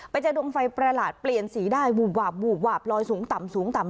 ดวงไฟประหลาดเปลี่ยนสีได้วูบวาบวูบวาบลอยสูงต่ำสูงต่ำ